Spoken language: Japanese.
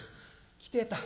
来てたん。